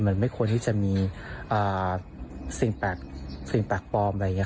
มันไม่ควรที่จะมีสิ่งแปลกปลอมอะไรอย่างนี้